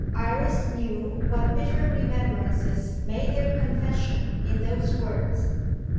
Iris knew what bitter remembrances made their confession in those words.